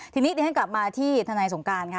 ทีนี้เดี๋ยวฉันกลับมาที่ทนายสงการค่ะ